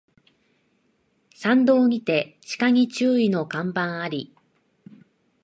山道にて鹿に注意の看板あり